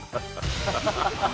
ハハハハ。